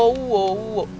eh udah dong